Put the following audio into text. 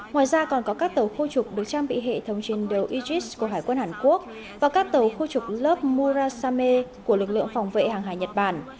ngoài ra còn có các tàu khu trục được trang bị hệ thống trên đầu aegis của hải quân hàn quốc và các tàu khu trục lớp murasame của lực lượng phòng vệ hàng hải nhật bản